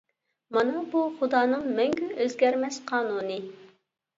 مانا بۇ خۇدانىڭ مەڭگۈ ئۆزگەرمەس قانۇنى.